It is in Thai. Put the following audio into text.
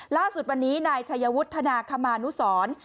ล่าสุดวันนี้นายชัยวุฒนาคมานุสร